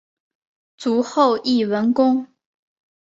卒后谥文恭。